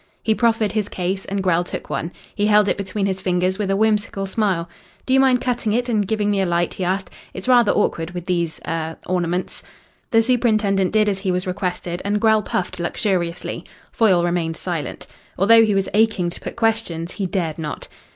He proffered his case and Grell took one. He held it between his fingers with a whimsical smile. "Do you mind cutting it and giving me a light?" he asked. "It's rather awkward with these er ornaments." The superintendent did as he was requested and Grell puffed luxuriously. Foyle remained silent. Although he was aching to put questions he dared not.